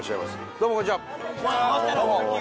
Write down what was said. どうもこんにちは。